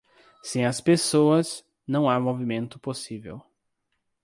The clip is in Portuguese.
Sem as pessoas, não há movimento possível.